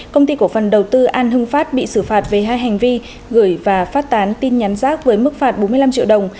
công ty cổ phần đầu tư an hưng phát bị xử phạt về hai hành vi gửi và phát tán tin nhắn rác với mức phạt bốn mươi năm triệu đồng